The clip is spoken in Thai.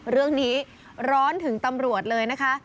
เรื่องนี้ร้อนถึงตำรวจเลยนะคะ